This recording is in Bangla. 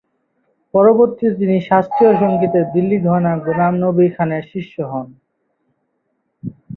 পরবর্তীতে তিনি শাস্ত্রীয় সঙ্গীতের দিল্লি ঘরানার গুলাম নবি খানের শিষ্য হন।